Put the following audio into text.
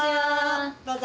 どうぞ。